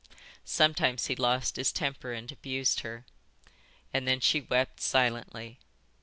Sometimes he lost his temper and abused her, and then she wept silently.